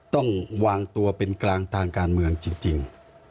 ต้องวางตัวเป็นกลางทางการเมืองจริง